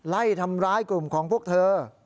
ไล่ทำร้ายกลุ่มของพวกเธอ